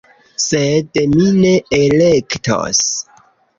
Sed mi ne elektos